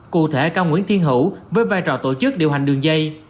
cụ thể cao nguyễn thiên hữu với vai trò tổ chức điều hành đường dây